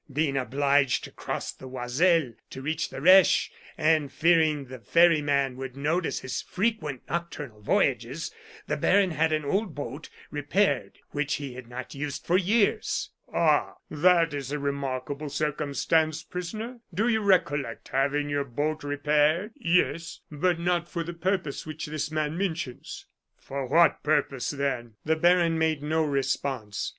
Being obliged to cross the Oiselle to reach the Reche, and fearing the ferryman would notice his frequent nocturnal voyages, the baron had an old boat repaired which he had not used for years." "Ah! that is a remarkable circumstance, prisoner; do you recollect having your boat repaired?" "Yes; but not for the purpose which this man mentions." "For what purpose, then?" The baron made no response.